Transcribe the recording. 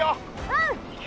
うん！